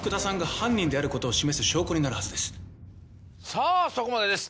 さぁそこまでです。